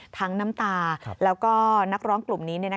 น้ำตาแล้วก็นักร้องกลุ่มนี้